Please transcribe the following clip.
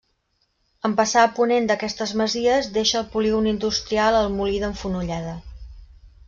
En passar a ponent d'aquestes masies, deixa el Polígon Industrial el Molí d'en Fonolleda.